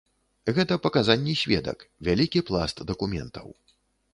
Гэта паказанні сведак, вялікі пласт дакументаў.